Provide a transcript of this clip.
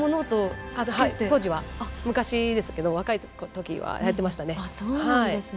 当時、昔ですが若いときは、やっていましたね。